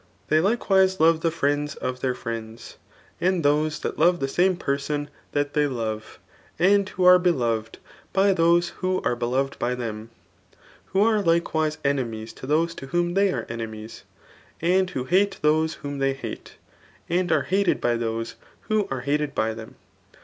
They likewise love the friends of thdr friends, and those that love the same persons that they love, and who are beloved by those who are beloved by them ; who zn likewise ene mies to those to ^om they are enemies, and who hsse diose whom they hate, and are hated by those who are hated by them.